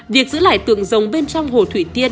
việc giữ lại tượng rồng bên trong hồ thủy tiên